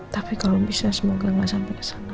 tapi kalau bisa semoga gak sampai kesana